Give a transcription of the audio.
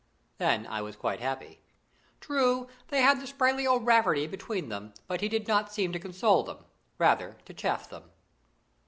Then I was quite happy. True, they had the sprightly O'Rafferty between them, but he did not seem to console them rather to chaff them.